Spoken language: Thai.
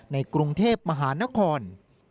ในกรุงเทพมหานคร